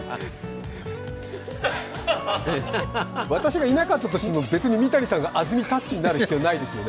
私がいなかったとしても、別に三谷さんが安住タッチになる必要ないですよね。